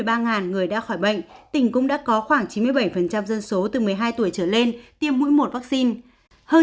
trong năm nay tỉnh cũng đã có khoảng chín mươi bảy dân số từ một mươi hai tuổi trở lên tiêm mũi một vaccine